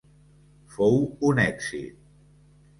Fou un èxit.